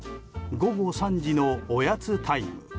午後３時のおやつタイム。